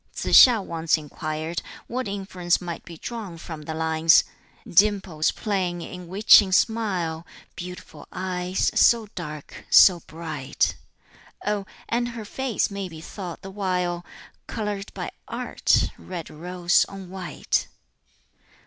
Tsz hiŠ once inquired what inference might be drawn from the lines "Dimples playing in witching smile, Beautiful eyes, so dark, so bright! Oh, and her face may be thought the while Colored by art, red rose on white!"